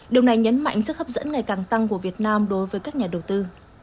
điều này nhấn mạnh sức hấp dẫn ngày càng tăng của việt nam đối với các nhà đầu tư